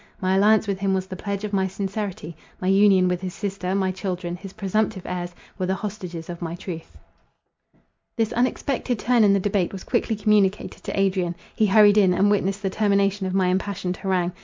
My alliance with him was the pledge of my sincerity, my union with his sister, my children, his presumptive heirs, were the hostages of my truth. This unexpected turn in the debate was quickly communicated to Adrian. He hurried in, and witnessed the termination of my impassioned harangue.